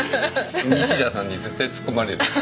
西田さんに絶対つっこまれるよ。